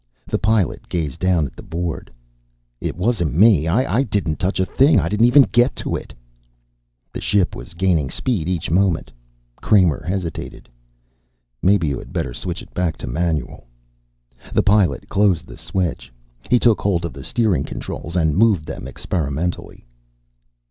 The Pilot gazed down at the board. "It wasn't me! I didn't touch a thing. I didn't even get to it." The ship was gaining speed each moment. Kramer hesitated. "Maybe you better switch it back to manual." The Pilot closed the switch. He took hold of the steering controls and moved them experimentally.